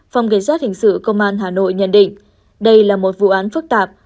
phòng gây sát hình sự công an hà nội nhận định đây là một vụ án phức tạp